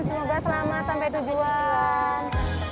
semoga selamat sampai tujuan